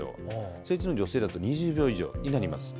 成人の女性だと２０秒以上になります。